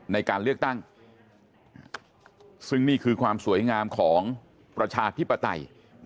ในการเลือกตั้งซึ่งนี่คือความสวยงามของประชาธิปไตย